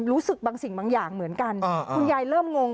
รู้สึกบางสิ่งบางอย่างเหมือนกันคุณยายเริ่มงง